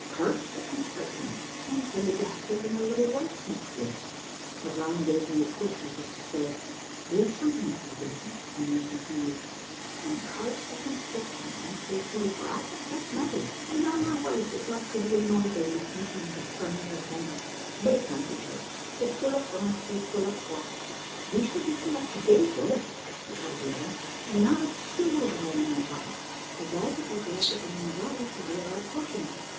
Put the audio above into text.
Curse the conscription: I intended to have taken a little wife next year." O'Brien gave me a push, as if to say, "Here's something that will do," and then continued "And curse the conscription I say too, for I had just married, and now my wife is left to be annoyed by the attention of the fermier general. But it can't be helped. C'est pour la France et pour la gloire." "We shall be too late to get a billet," replied the other, "and not a sou have I in my pockets. I doubt if I get up with the main body till they are at Flushing.